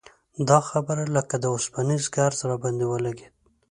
دا خبره لکه د اوسپنیز ګرز راباندې ولګېده.